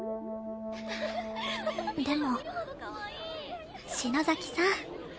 でも篠崎さん